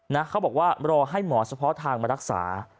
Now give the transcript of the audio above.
เขาบอกว่ารอให้หมอเฉพาะทางมารักษา